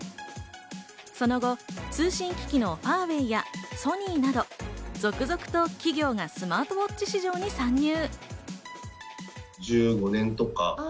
その後、通信機器のファーウェイやＳＯＮＹなど、続々と企業がスマートウォッチ市場に参入。